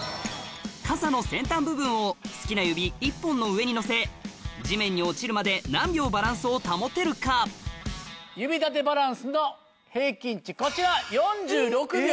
傘の先端部分を好きな指１本の上にのせ地面に落ちるまで何秒バランスを保てるか「指立てバランス」の平均値こちら。